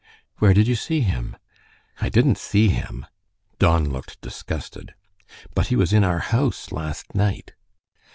"Where did you see him?" "I didn't see him." Don looked disgusted. "But he was in our house last night."